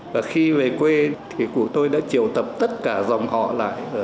và khi về quê cụ tôi đã triều tập tất cả dòng họ lại